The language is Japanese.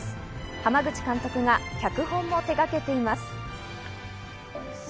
濱口監督が脚本も手がけています。